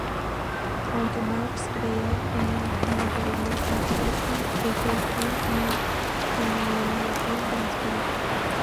Aunque Marx creía en el materialismo histórico, Hegel creía en la "fenomenología del espíritu".